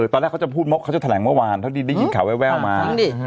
ตอนแรกเขาจะพูดเขาจะแถลงเมื่อวานเท่าที่ได้ยินข่าวแววมา